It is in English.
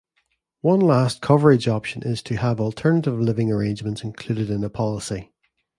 One last coverage option is to have alternative living arrangements included in a policy.